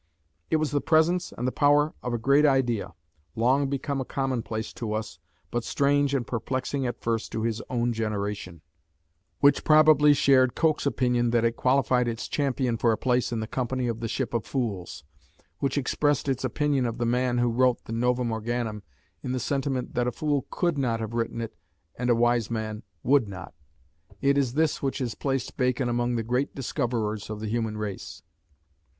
It was the presence and the power of a great idea long become a commonplace to us, but strange and perplexing at first to his own generation, which probably shared Coke's opinion that it qualified its champion for a place in the company of the "Ship of Fools," which expressed its opinion of the man who wrote the Novum Organum, in the sentiment that "a fool could not have written it, and a wise man would not" it is this which has placed Bacon among the great discoverers of the human race.